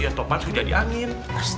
ya topan sujadi angin